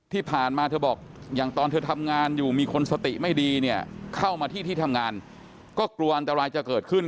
ที่ผ่านมาเธอบอกอย่างตอนเธอทำงานอยู่มีคนสติไม่ดีเนี่ยเข้ามาที่ที่ทำงานก็กลัวอันตรายจะเกิดขึ้น